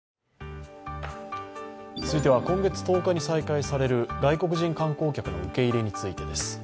続いては今月１０日に再開される外国人観光客の受け入れについてです。